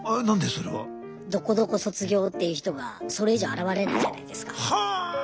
それは。どこどこ卒業っていう人がそれ以上現れないじゃないですか。